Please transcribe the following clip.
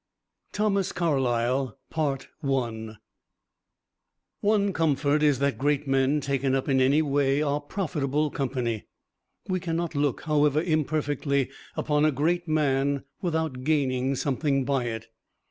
THOMAS CARLYLE One comfort is that great men taken up in any way are profitable company. We can not look, however imperfectly, upon a great man without gaining something by it.